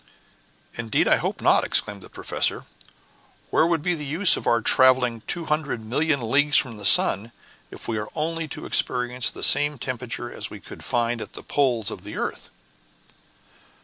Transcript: "Indeed, I hope not!" exclaimed the professor; "where would be the use of our traveling 200,000,000 leagues from the sun, if we are only to experience the same temperature as we should find at the poles of the earth?"